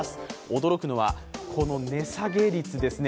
驚くのは、この値下げ率ですね。